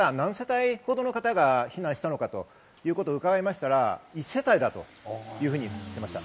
避難指示が出て何名ほどの方、何世帯ほどの方が避難したのかということを伺いましたら、１世帯だというふうに言っていました。